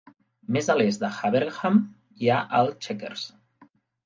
Més a l'est a Heaverham hi ha el Chequers.